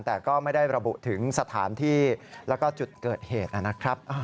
แต่ก็ไม่ได้ระบุถึงสถานที่แล้วก็จุดเกิดเหตุนะครับ